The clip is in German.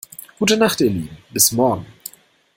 Gute Nacht ihr Lieben, bis morgen.